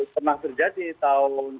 pernah terjadi tahun sembilan puluh empat